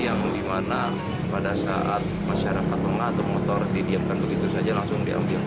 yang gimana pada saat masyarakat mengatur motor didiamkan begitu saja langsung diambil